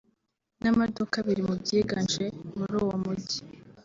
n’amaduka biri mu byiganje muri uwo mujyi